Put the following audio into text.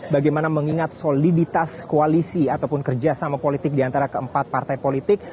bagaimana mengingat soliditas koalisi ataupun kerjasama politik diantara keempat partai politik